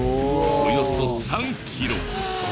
およそ３キロ。